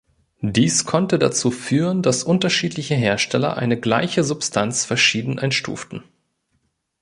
Dies konnte dazu führen, dass unterschiedliche Hersteller eine gleiche Substanz verschieden einstuften.